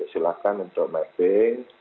silakan indromed bank